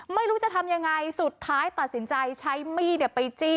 ไม่รู้จะทำยังไงสุดท้ายตัดสินใจใช้มีดไปจี้